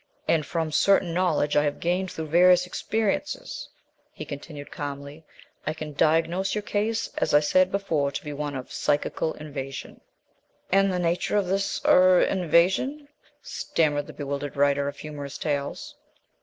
"And from certain knowledge I have gained through various experiences," he continued calmly, "I can diagnose your case as I said before to be one of psychical invasion." "And the nature of this er invasion?" stammered the bewildered writer of humorous tales.